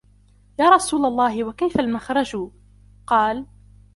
يَا رَسُولَ اللَّهِ وَكَيْفَ الْمَخْرَجُ ؟ قَالَ